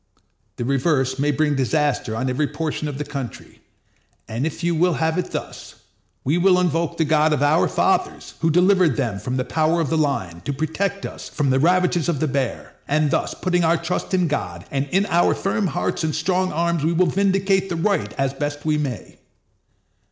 The reverse may bring disaster on every portion of the country; and if you will have it thus, we will invoke the God of our fathers, who delivered them from the power of the lion, to protect us from the ravages of the bear; and thus, putting our trust in God, and in our firm hearts and strong arms, we will vindicate the right as best we may.